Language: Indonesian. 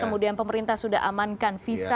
kemudian pemerintah sudah amankan visa